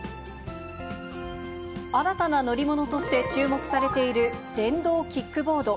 新たな乗り物として注目されている電動キックボード。